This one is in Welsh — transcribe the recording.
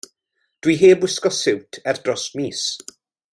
Dw i heb wisgo siwt ers dros mis.